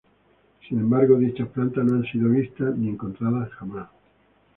Sin embargo, dichas plantas no han sido vistas ni encontradas jamás.